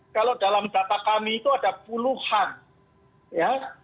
kalau dalam data kami itu ada puluhan ya